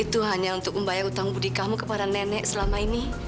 itu hanya untuk membayar utang budi kamu kepada nenek selama ini